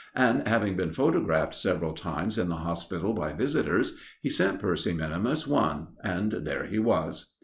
And, having been photographed several times in the hospital by visitors, he sent Percy minimus one. And there he was!